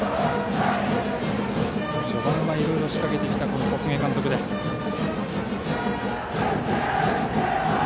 序盤はいろいろ仕掛けてきた小菅監督、土浦日大。